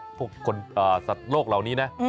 สชานโลกเหล่านี้นะ